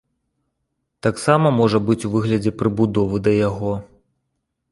Таксама можа быць ў выглядзе прыбудовы да яго.